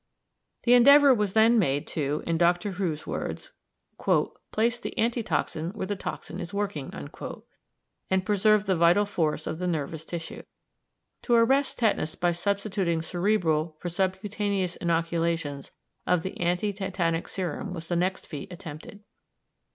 The endeavour was then made to, in Dr. Roux's words, "place the anti toxin where the toxin is working," and preserve the vital force of the nervous tissue. To arrest tetanus by substituting cerebral for subcutaneous inoculations of the anti tetanic serum was the next feat attempted.